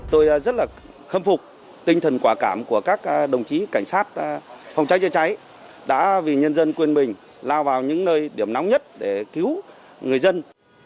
tôi rất là khâm phục tinh thần quả cảm của các đồng chí cảnh sát phòng cháy chữa cháy đã vì nhân dân quên mình lao vào những nơi điểm nóng nhất để cứu người dân